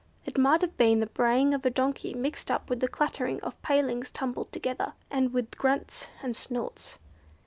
It might have been the braying of a donkey mixed up with the clattering of palings tumbled together, and with grunts and snorts.